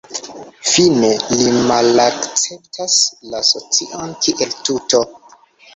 Fine, li malakceptas la socion kiel tuto.